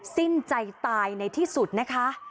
สิ้นใจตายในที่สุดนะคะ